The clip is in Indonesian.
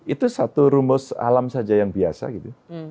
itu satu rumus alam saja yang biasa gitu